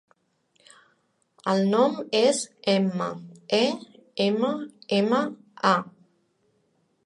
El nom és Emma: e, ema, ema, a.